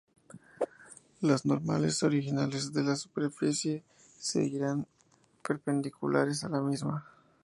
Las normales originales de la superficie seguirán perpendiculares a la misma.